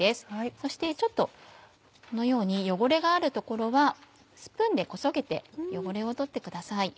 そしてちょっとこのように汚れがある所はスプーンでこそげて汚れを取ってください。